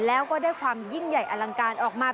แล้วก็ได้ความยิ่งใหญ่อลังการออกมา